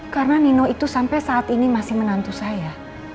karena nino itu sampai saat ini masih menantu saya